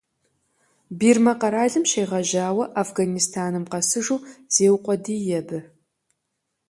Бирмэ къэралым щегъэжьауэ Афганистаным къэсыжу зеукъуэдий абы.